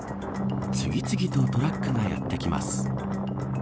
次々とトラックがやってきます。